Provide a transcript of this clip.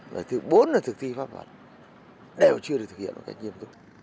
và thứ bốn là thực thi pháp luật đều chưa được thực hiện